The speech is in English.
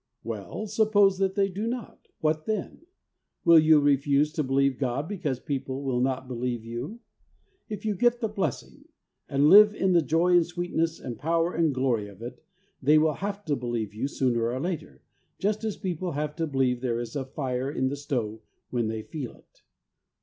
Well, suppose that they do not, what then ? Will you refuse to believe God because people will not believe you ? If you get the blessing, and live in the joy and sweetness and power and glory of it, they will have to believe you sooner or later, just as people have to believe there is a fire in the stove when they feel it.